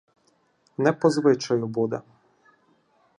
Не по звичаю буде.